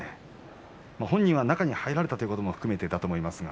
本人は中に入られたということも含めてだと思いますが。